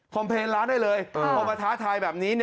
เพลงร้านได้เลยพอมาท้าทายแบบนี้